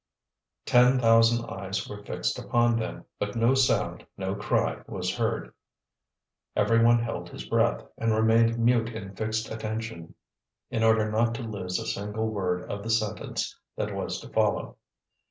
Ten thousand eyes were fixed upon them, but no sound, no cry, was heard. Every one held his breath, and remained mute in fixed attention, in order not to lose a single word of the sentence that was to follow.